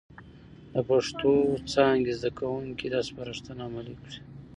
د پښتو څانګې زده کوونکي دا سپارښتنه عملي کړي،